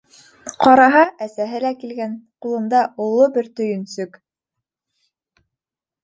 Ҡараһа, әсәһе лә килгән, ҡулында оло бер төйөнсөк.